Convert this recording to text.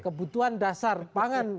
kebutuhan dasar pangan